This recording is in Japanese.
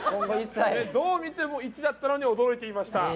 どう見ても、１だったのに驚いてました。